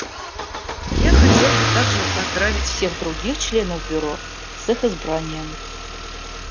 Я хотел бы также поздравить всех других членов Бюро с их избранием.